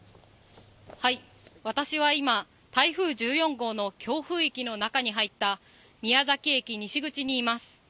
私は今、台風１４号の強風域の中に入った宮崎駅西口にいます。